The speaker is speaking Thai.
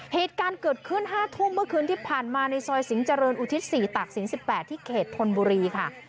เหตุการณ์เกิดขึ้น๕ทุ่มเมื่อคืนที่ผ่านมาในซอยสิงห์เจริญอุทิศ๔ตากศิลป๑๘ที่เขตธนบุรีค่ะ